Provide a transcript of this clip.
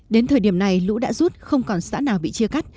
đến thời điểm này lũ đã rút không còn xã nào bị chia cắt